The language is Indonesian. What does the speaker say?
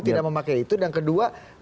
tidak memakai itu dan kedua